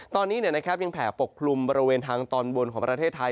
ตอนนี้ยังแผ่ปกคลุมบริเวณทางตอนบนของประเทศไทย